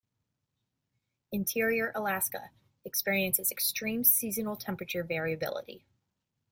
Interior Alaska experiences extreme seasonal temperature variability.